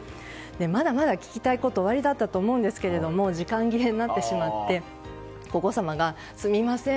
まだまだ聞きたいことはおありだったと思うんですけども時間切れになってしまって皇后さまがすみません